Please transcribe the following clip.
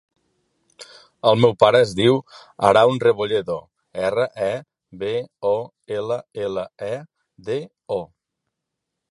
El meu pare es diu Haroun Rebolledo: erra, e, be, o, ela, ela, e, de, o.